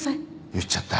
言っちゃった。